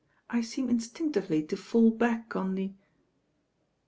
I «em mstinctively to faU back on the ^'